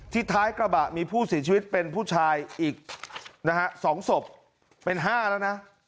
ท้ายกระบะมีผู้เสียชีวิตเป็นผู้ชายอีกนะฮะ๒ศพเป็น๕แล้วนะ